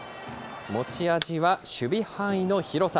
持ち味は守備範囲の広さ。